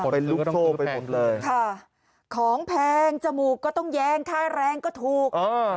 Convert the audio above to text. เป็นลูกโซ่ไปหมดเลยค่ะของแพงจมูกก็ต้องแย้งค่าแรงก็ถูกอ่า